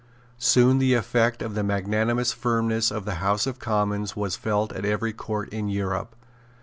Soon the effect of the magnanimous firmness of the House of Commons was felt at every Court in Europe.